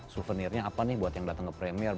souvenirnya apa nih buat yang datang ke premier